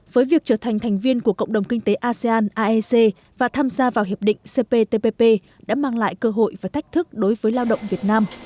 với việc trở thành thành viên của cộng đồng kinh tế asean aec và tham gia vào hiệp định cptpp đã mang lại cơ hội và thách thức đối với lao động việt nam